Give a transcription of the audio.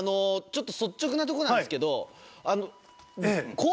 ちょっと率直なとこなんですけど。